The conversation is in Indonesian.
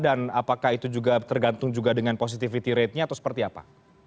apakah itu juga tergantung juga dengan positivity ratenya atau seperti apa